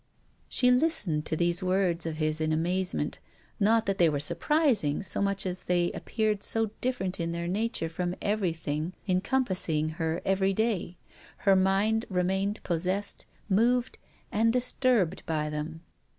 She listened to these words of his in amazement, not that they were surprising so much as that they appeared so different in their nature from everything encompassing her every day. Her mind remained possessed, moved, and disturbed by them.